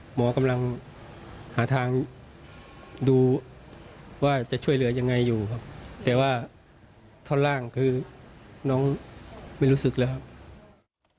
หมอกำลังหาทางดูว่าจะช่วยเหลือยังไงอยู่ครับแต่ว่าท่อนล่างคือน้องไม่รู้สึกแล้วครับ